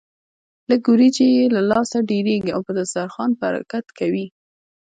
لږ وريجې يې له لاسه ډېرېږي او په دسترخوان برکت کوي.